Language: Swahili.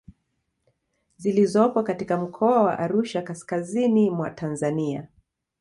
zilizopo katika mkoa wa Arusha kaskazizini mwa Tanzania